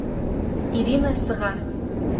Ирина сыға.